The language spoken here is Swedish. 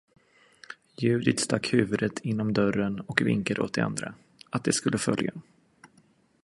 Judith stack huvudet inom dörren och vinkade åt de andra, att de skulle följa.